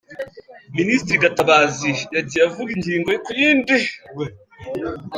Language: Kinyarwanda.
Ministre Gatabazi yagiye avuga ingingo ku yindi, nyuma agahagarika ati Victor natange ibisobanuro.